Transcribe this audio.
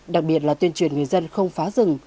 đặc biệt là tuyên truyền người dân không phá rừng